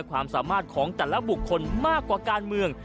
ความสามารถของแต่ละบุคคลมากกว่าการเมือง